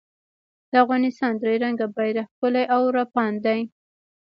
د افغانستان درې رنګه بېرغ ښکلی او رپاند دی